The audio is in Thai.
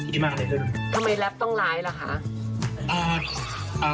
ทำไมแร็ปต้องร้ายล่ะค่ะ